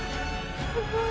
すごい。